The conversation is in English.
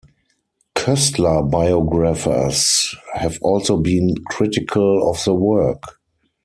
Koestler biographers have also been critical of the work.